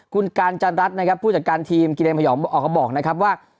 คุณการจันรัฐนะครับผู้จัดการทีมกิเลนพยองออกมาบอกนะครับว่า